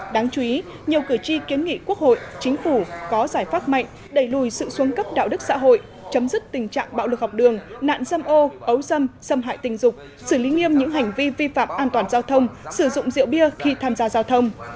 đáng chú ý nhiều cử tri kiến nghị quốc hội chính phủ có giải pháp mạnh đẩy lùi sự xuân cấp đạo đức xã hội chấm dứt tình trạng bạo lực học đường nạn xâm ô ấu xâm xâm hại tình dục xử lý nghiêm những hành vi vi phạm an toàn giao thông sử dụng rượu bia khi tham gia giao thông